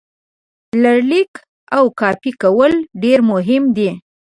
لړلیک او کاپي کول ډېر مهم دي.